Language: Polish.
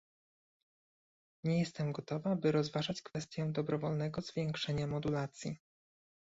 Nie jestem gotowa, by rozważać kwestię dobrowolnego zwiększenia modulacji